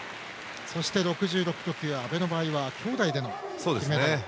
そして６６キロ級の阿部の場合はきょうだいでの金メダル。